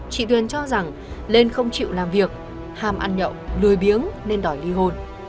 chị tuyền cho rằng lên không chịu làm việc ham ăn nhậu lười biếng nên đòi ly hôn